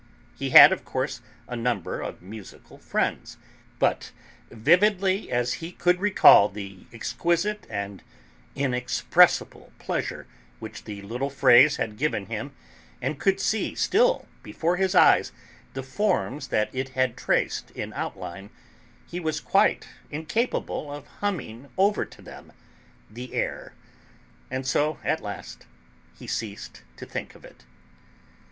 He had, of course, a number of musical friends, but, vividly as he could recall the exquisite and inexpressible pleasure which the little phrase had given him, and could see, still, before his eyes the forms that it had traced in outline, he was quite incapable of humming over to them the air. And so, at last, he ceased to think of it.